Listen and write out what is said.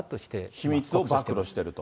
秘密を暴露していると。